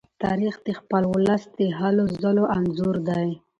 تاریخ د خپل ولس د هلو ځلو انځور دی.